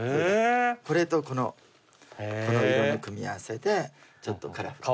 これとこのこの色の組み合わせでちょっとカラフル。